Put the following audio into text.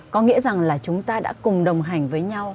có nghĩa rằng là chúng ta đã cùng đồng hành với nhau